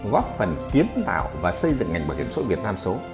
góp phần kiến tạo và xây dựng ngành bảo hiểm số việt nam số